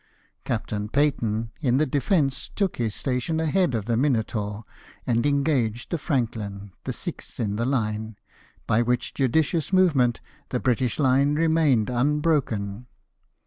Captain Peyton, BATTLE OF THE NILE. 141 in the Defence, took his station ahead of the Mino taur, and engaged the FrcmJdin, the sixth in the hne, by which judicious movement the British hne remained unbroken.